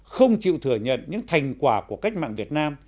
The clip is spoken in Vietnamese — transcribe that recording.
không chịu thừa nhận những thành quả của cách mạng việt nam